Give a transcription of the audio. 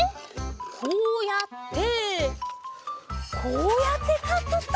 こうやってこうやってかくと。